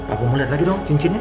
aku mau lihat lagi dong cincinnya